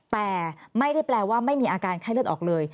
แต่ไม่ได้แปลว่าไม่มีอาการไข้เลือดออกเลย